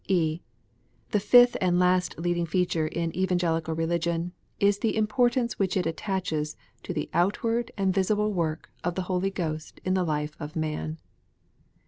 (e) The fifth and last leading feature in Evangelical Keligion is the importance which it attaches to the outward and visible work of the Holy Ghost in the life of man.